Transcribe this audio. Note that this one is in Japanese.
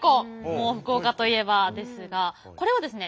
もう福岡といえばですがこれはですね